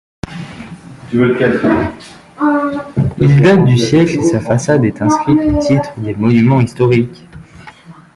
Il date du siècle et sa façade est inscrite au titre des Monuments historiques.